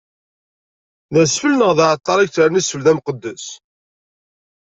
D asfel, neɣ d aɛalṭar yettarran asfel d imqeddes?